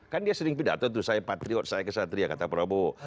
kan dia sering pidato tuh saya patriot saya kesatria kata prabowo